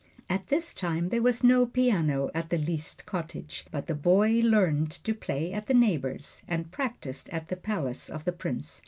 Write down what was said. At this time there was no piano at the Liszt cottage, but the boy learned to play at the neighbors', and practised at the palace of the Prince.